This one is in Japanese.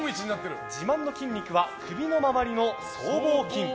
自慢の筋肉は首の周りの僧帽筋。